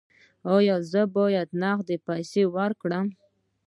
ایا زه باید نغدې پیسې ورکړم؟